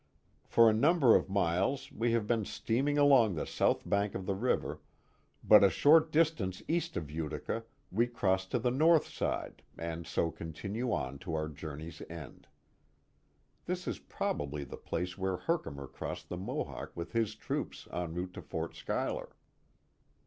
For a number of miles wc have been steaming along the south bank of the river. but a short distance east of Utica we cross to the north side and so continue on to our journey's end. (This is probably tlic place where Herkimer crossed the Mohawk with his troops en route for Fort Scliuyler.)